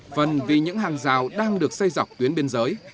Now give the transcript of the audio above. phần vì những hàng rào đang được xây dọc tuyến biên giới